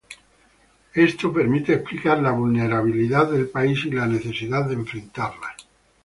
Esto permite explicar la vulnerabilidad del país y la necesidad de enfrentarla.